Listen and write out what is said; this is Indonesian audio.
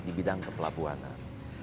di bidang kepelabuhanan